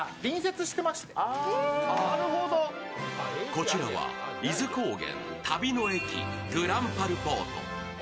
こちらは伊豆高原旅の駅ぐらんぱるぽーと。